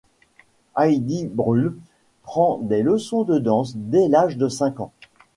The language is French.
Heidi Brühl prend des leçons de danse dès l'âge de cinq ans.